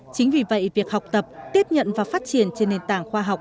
chính vì vậy việc học tập tiếp nhận và phát triển trên nền tảng khoa học